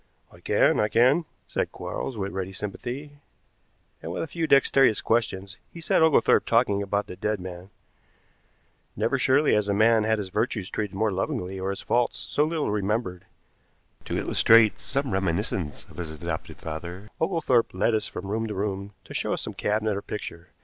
"I can, I can," said Quarles, with ready sympathy, and with a few dexterous questions he set Oglethorpe talking about the dead man. Never surely has a man had his virtues treated more lovingly or his faults so little remembered. To illustrate some reminiscence of his adopted father, Oglethorpe led us from room to room to show us some cabinet or picture.